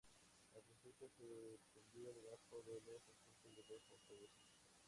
Al principio se escondía debajo de los asientos de los autobuses.